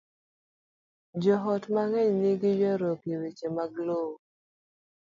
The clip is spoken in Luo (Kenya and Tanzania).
Joot mang'eny nigi ywaruok e weche mag lowo.